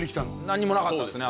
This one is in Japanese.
何にもなかったですね